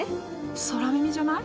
空耳じゃない？